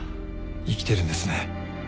生きてるんですね？